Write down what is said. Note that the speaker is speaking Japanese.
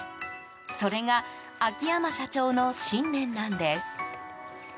それが秋山社長の信念なんです。